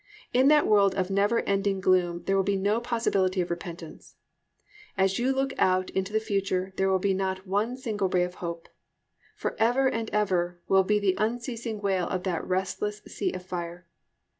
In that world of never ending gloom there will be no possibility of repentance. As you look out into the future there will not be one single ray of hope. "Forever and ever" will be the unceasing wail of that restless sea of fire.